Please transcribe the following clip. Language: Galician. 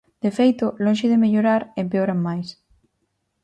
De feito, lonxe de mellorar, empeoran máis.